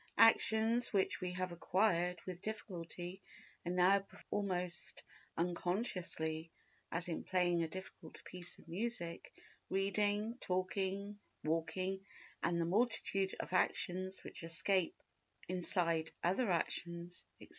Actions which we have acquired with difficulty and now perform almost unconsciously—as in playing a difficult piece of music, reading, talking, walking and the multitude of actions which escape our notice inside other actions, etc.